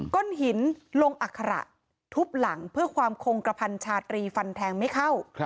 ้นหินลงอัคระทุบหลังเพื่อความคงกระพันชาตรีฟันแทงไม่เข้า